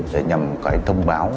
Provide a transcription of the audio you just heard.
để nhằm thông báo